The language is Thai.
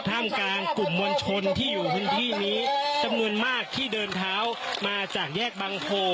ท่ามกลางกลุ่มมวลชนที่อยู่พื้นที่นี้จำนวนมากที่เดินเท้ามาจากแยกบังโพ